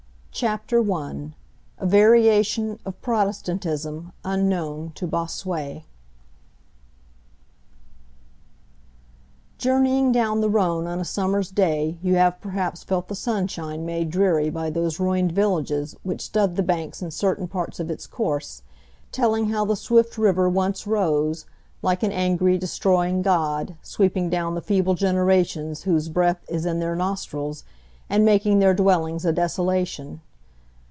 Chapter I. A Variation of Protestantism Unknown to Bossuet Journeying down the Rhone on a summer's day, you have perhaps felt the sunshine made dreary by those ruined villages which stud the banks in certain parts of its course, telling how the swift river once rose, like an angry, destroying god, sweeping down the feeble generations whose breath is in their nostrils, and making their dwellings a desolation.